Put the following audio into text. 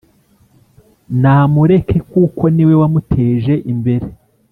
Namureke kuko niwe wamuteje imbere